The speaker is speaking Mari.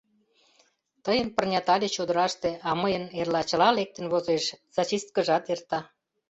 — Тыйын пырнят але чодыраште, а мыйын эрла чыла лектын возеш, зачисткыжат эрта.